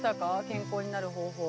健康になる方法。